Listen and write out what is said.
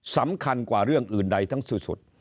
สำคัญกว่าเรื่องอื่นใดทั้งสิ้นสุด